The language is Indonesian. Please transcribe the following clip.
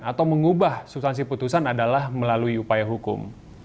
atau mengubah substansi putusan adalah melalui upaya hukum